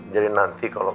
jadi nanti kalau